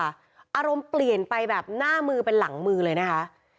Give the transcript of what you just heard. อารมณ์เปลี่ยนไปแบบหน้ามือเป็นหลังมือเลยนะคะ